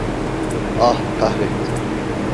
Ah, kahretsin!